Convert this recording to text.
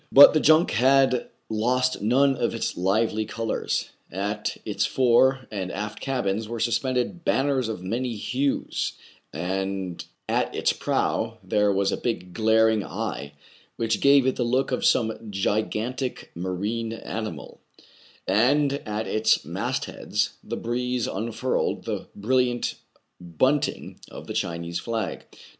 But the junk had lost none of its lively colors : at its fore and aft cabins were suspended banners of many hues ; at its prow there was a big glaring eye, which gave it the look of some gigantic ma rine animal ; and at its mastheads the breeze un furled the brilliant bunting of the Chinese flag.